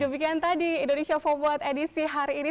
demikian tadi indonesia forward edisi hari ini